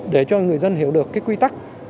để cho người dân hiểu được cái quy tắc